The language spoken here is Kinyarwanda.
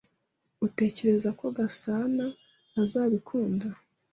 Utekereza ko Gasanaazabikunda?